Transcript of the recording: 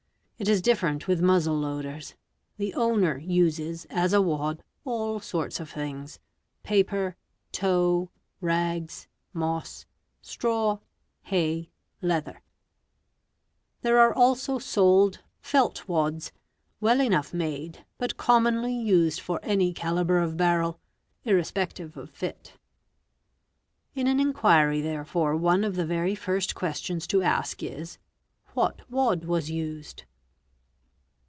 It is different with muzzle loaders. The owner uses as a wad all sorts of things—paper, tow, rags, moss, straw, hay, leather; there are also sold | felt wads, well enough made, but commonly used for any calibre of barrel, irrespective of fit. In an inquiry therefore one of the very first questions: to ask is—'' What wad was used